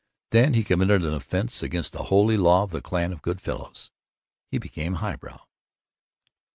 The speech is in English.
Then he committed an offense against the holy law of the Clan of Good Fellows. He became highbrow.